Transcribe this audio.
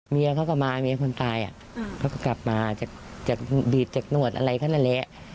เมียเขาก็มาเมียคนตายเขาก็กลับมาจากดีดจากหนวดอะไรเขานั่นแหละ